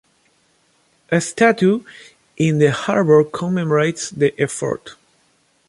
A statue in the harbour commemorates the effort.